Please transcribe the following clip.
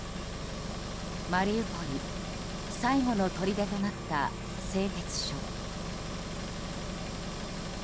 マリウポリ最後のとりでとなった製鉄所。